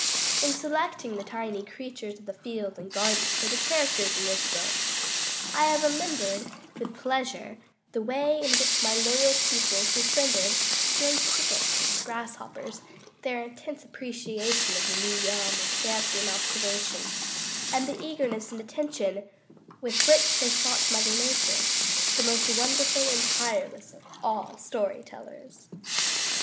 In selecting the tiny creatures of field and garden for the characters in this book, I have remembered with pleasure the way in which my loyal pupils befriended stray crickets and grasshoppers, their intense appreciation of the new realm of fancy and observation, and the eagerness and attention with which they sought Mother Nature, the most wonderful and tireless of all story tellers.